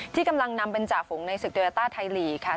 ที่กำลังนำเป็นจ่าฝงในสิทธิ์โดยต้าไทยลีค่ะ